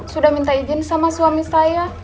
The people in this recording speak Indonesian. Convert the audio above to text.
sudah minta izin sama suami saya